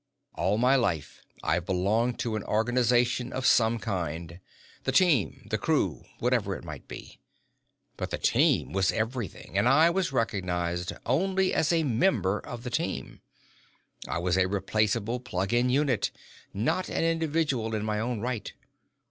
All my life, I've belonged to an organization of some kind the team, the crew, whatever it might be. But the Team was everything, and I was recognized only as a member of the Team. I was a replaceable plug in unit, not an individual in my own right.